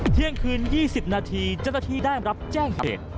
เที่ยงคืน๒๐นาทีเจ้าหน้าที่ได้รับแจ้งเหตุ